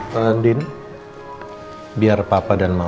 jadi warna cipta pengenyu